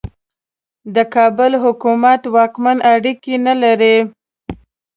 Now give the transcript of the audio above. د کابل حکومت واکمن اړیکې نه لري.